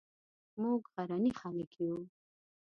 موږ غرني خلک یو